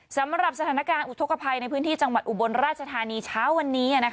สำหรับสถานการณ์อุทธกภัยในพื้นที่จังหวัดอุบลราชธานีเช้าวันนี้